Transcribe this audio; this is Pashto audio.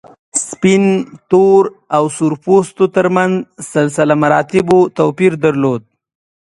سپین، تور او سره پوستو تر منځ سلسله مراتبو توپیر درلود.